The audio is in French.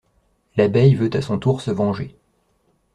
L'abeille veut à son tour se venger...